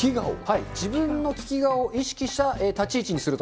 自分の利き顔を意識した立ち位置にすると。